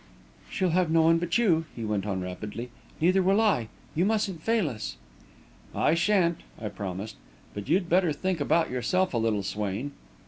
"She'll have no one but you," he went on rapidly. "Neither will I! You mustn't fail us!" "I shan't," I promised. "But you'd better think about yourself a little, Swain."